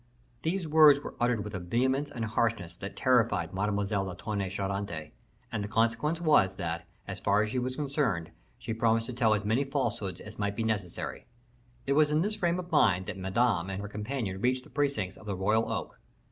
These words were uttered with a vehemence and harshness that terrified Mademoiselle de Tonnay Charente; and the consequence was, that, as far as she was concerned, she promised to tell as many falsehoods as might be necessary. It was in this frame of mind that Madame and her companion reached the precincts of the royal oak.